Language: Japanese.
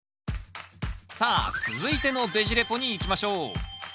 さあ続いての「ベジ・レポ」にいきましょう。